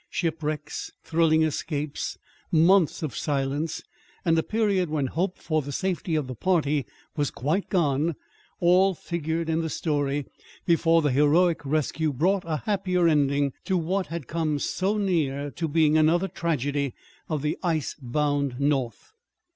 Shipwrecks, thrilling escapes, months of silence, and a period when hope for the safety of the party was quite gone, all figured in the story before the heroic rescue brought a happier ending to what had come so near to being another tragedy of the ice bound North.